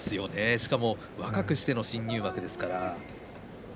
しかも若くしての新入幕ですからね。